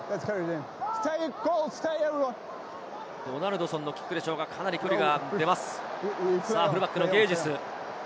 ドナルドソンのキックでしょうが、かなり距離が出ます、ゲージス。